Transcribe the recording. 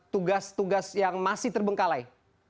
tugas tugas yang masih terbengkalai